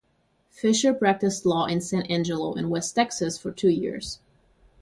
Fisher practiced law in San Angelo in West Texas for two years.